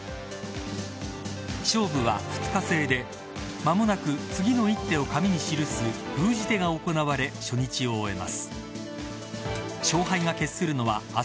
勝負は２日制で間もなく次の一手を紙に記す封じ手が行われ初日を終えます。